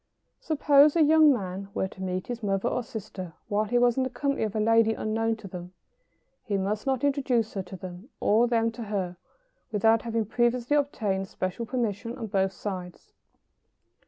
] Suppose a young man were to meet his mother or sister while he was in the company of a lady unknown to them, he must not introduce her to them or them to her without having previously obtained special permission on both sides.